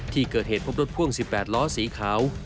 ที่เกิดเหตุพบรถพ่วง๑๘ล้อสีขาว